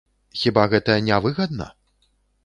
Хіба гэта не выгадна?